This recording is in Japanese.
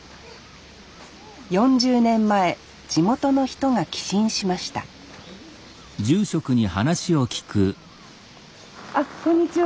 ４０年前地元の人が寄進しましたあっこんにちは。